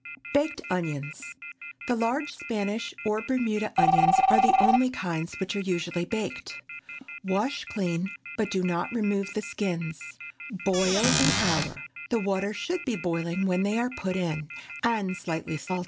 BAKED ONIONS. The large Spanish or Bermuda onions are the only kinds which are usually baked. Wash clean, but do not remove the skins. Boil an hour—the water should be boiling when they are put in, and slightly salt.